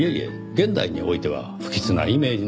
現代においては不吉なイメージなどありません。